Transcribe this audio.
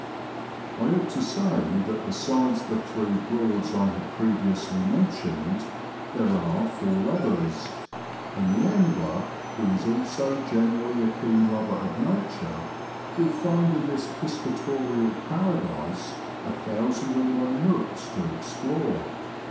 I ought to say that besides the three Broads I have previously mentioned, there are four others, and the angler, who is also generally a keen lover of nature, will find in this piscatorial paradise a thousand and one nooks to explore.